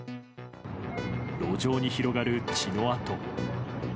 路上に広がる血の痕。